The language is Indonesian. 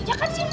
ya kan sih